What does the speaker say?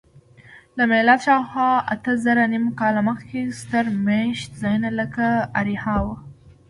له میلاده شاوخوا اتهنیمزره کاله مخکې ستر میشت ځایونه لکه اریحا وو.